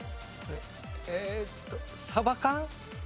えーっとサバ缶？